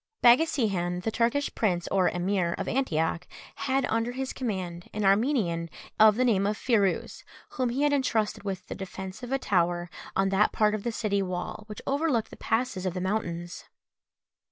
Baghasihan, the Turkish prince or emir of Antioch, had under his command an Armenian of the name of Phirouz, whom he had entrusted with the defence of a tower on that part of the city wall which overlooked the passes of the mountains.